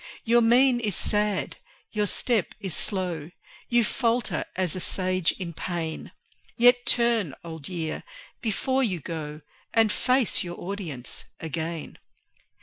Your mien is sad, your step is slow; You falter as a Sage in pain; Yet turn, Old Year, before you go, And face your audience again.